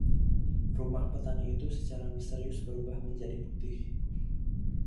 Rumah petani itu secara misterius berubah menjadi putih.